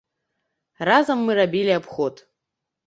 Разам мы рабілі абход.